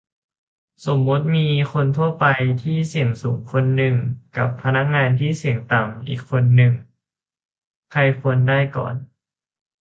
สมมติ มีคนทั่วไปที่เสี่ยงสูงคนหนึ่ง กับ พนักงานที่เสี่ยงต่ำอีกคนหนึ่ง ใครควรได้ก่อน ?